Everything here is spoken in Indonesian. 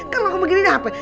kalo aku begini dapet